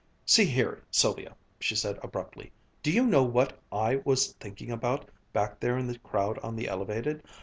"See here, Sylvia!" she said abruptly, "do you know what I was thinking about back there in the crowd on the elevated?